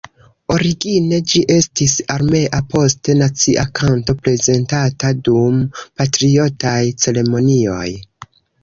Origine ĝi estis armea, poste nacia kanto prezentata dum patriotaj ceremonioj.